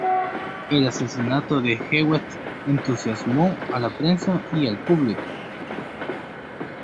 El asesinato de Jewett entusiasmó a la prensa y al público.